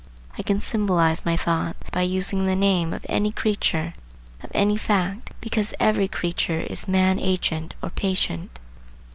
I can symbolize my thought by using the name of any creature, of any fact, because every creature is man agent or patient.